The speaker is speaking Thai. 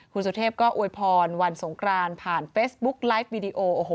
คุณสุเทพก็อวยพรวันสงครานผ่านเฟซบุ๊กไลฟ์วีดีโอโอ้โห